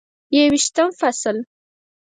یوویشتم فصل: